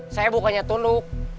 saya bukannya tunduk